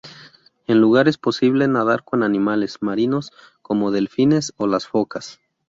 En lugar es posible nadar con animales marinos como delfines o las focas.